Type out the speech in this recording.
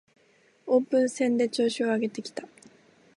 オープン戦で調子を上げてきた